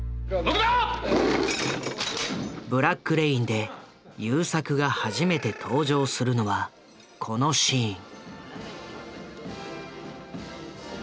「ブラック・レイン」で優作が初めて登場するのはこのシーン。